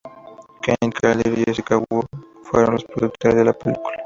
Keith Calder y Jessica Wu fueron los productores de la película.